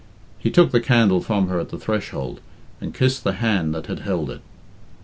He took the candle from her at the threshold, and kissed the hand that had held it.